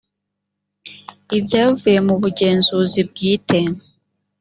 ibyavuye mu bugenzuzi bwite